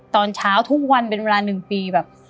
ตอนเช้าทุกวันเป็นเวลา๑ปีแบบ